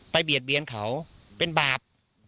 เบียดเบียนเขาเป็นบาป